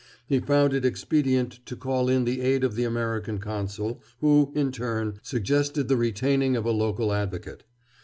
He found it expedient to call in the aid of the American Consul, who, in turn, suggested the retaining of a local advocate.